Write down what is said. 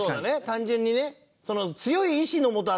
単純にね。